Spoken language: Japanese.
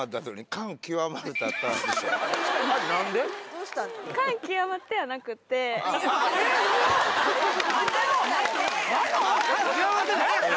感極まってないやんな？